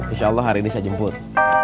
insyaallah hari ini saya jemput